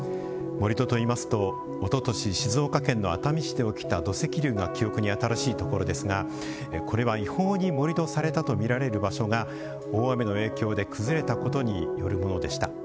盛土といいますと、おととし静岡県の熱海市で起きた土石流が記憶に新しいところですがこれは違法に盛土されたとみられる場所が大雨の影響で崩れたことによるものでした。